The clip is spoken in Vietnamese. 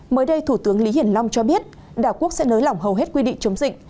mới đây thủ tướng lý hiển long cho biết đảo quốc sẽ nới lỏng hầu hết quy định chống dịch